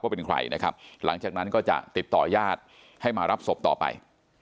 เป็นใครนะครับหลังจากนั้นก็จะติดต่อญาติให้มารับศพต่อไป